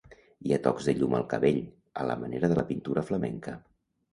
Hi ha tocs de llum al cabell, a la manera de la pintura flamenca.